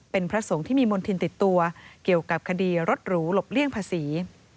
เป็นพระสงฆ์ที่มีมณฑินติดตัวเกี่ยวกับคดีรถหรูหลบเลี่ยงภาษี